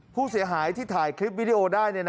ผู้เสียหายที่ถ่ายคลิปวิดีโอได้